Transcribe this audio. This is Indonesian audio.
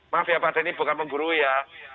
maaf ya pak denny bukan pemburu ya